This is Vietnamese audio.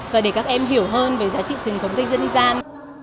và để các em hiểu hơn về giá trị truyền thống tranh dân gian